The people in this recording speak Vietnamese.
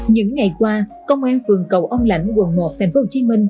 những ngày qua công an phường cầu âm lãnh quận một tp hcm